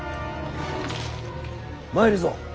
参るぞ。